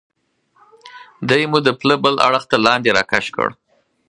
دی مو د پله بل اړخ ته لاندې را کش کړ.